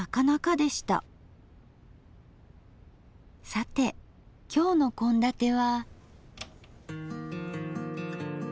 さて今日の献立は？